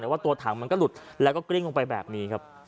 แต่ว่าตัวถังมันก็หลุดแล้วก็กริ้งลงไปแบบนี้ครับ